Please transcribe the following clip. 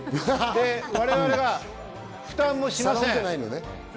我々が負担もしません。